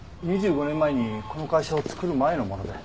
２５年前にこの会社を作る前のもので。